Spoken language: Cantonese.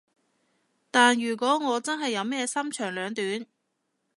但如果我真係有咩三長兩短